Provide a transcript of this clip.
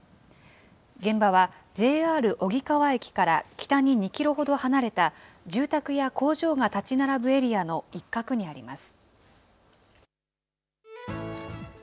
現場はＪＲ荻川駅から北に２キロほど離れた、住宅や工場が建ち並ぶエリアの一角にあります。